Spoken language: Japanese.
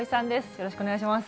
よろしくお願いします。